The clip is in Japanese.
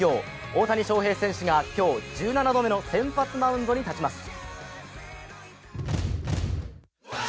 大谷翔平選手が今日１７度目の先発マウンドに立ちます。